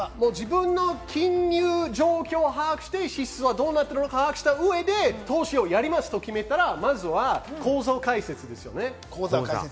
自分の金融状況、把握して支出はどうなるのか、把握した上で投資をやりますと決めたら、まずは口座を開設します。